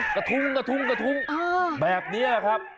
กระทุ้งแบบนี้ครับ